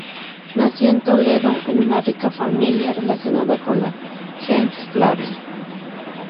Nació en Toledo, en una rica familia, relacionada con la "Gens Flavia".